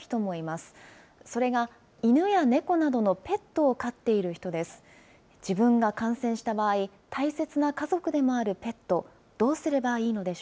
それが犬や猫などのペットを飼っている人です。